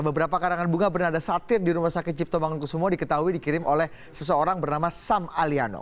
beberapa karangan bunga bernada satir di rumah sakit cipto bangun kusumo diketahui dikirim oleh seseorang bernama sam aliano